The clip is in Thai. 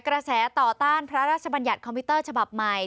กระแสต่อต้านพระราชบัญญัติคอมพิวเตอร์ฉบับใหม่